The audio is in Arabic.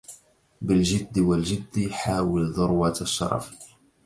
بالجد والجد حاول ذروة الشرف